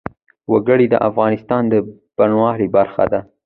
وګړي د افغانستان د بڼوالۍ برخه ده.